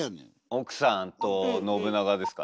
奥さんと信長ですかね。